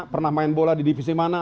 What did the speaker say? pernah main bola di divisi mana